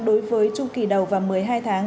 đối với trung kỳ đầu và một mươi hai tháng